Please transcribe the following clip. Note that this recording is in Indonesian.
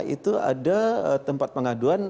itu ada tempat pengaduan